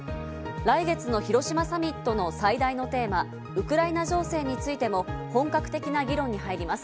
来月の広島サミットの最大のテーマ、ウクライナ情勢についても本格的な議論に入ります。